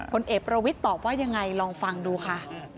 ผลเอกประวิทย์ตอบว่ายังไงลองฟังดูค่ะ